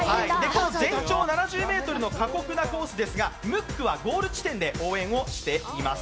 全長７０ｍの過酷なコースですが、ムックはゴール地点で応援をしています。